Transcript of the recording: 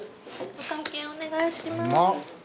お会計お願いします。